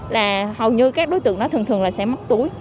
là hầu như các đối tượng đó thường thường là sẽ móc túi